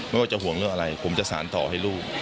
ไม่ว่าจะห่วงเรื่องอะไรผมจะสารต่อให้ลูก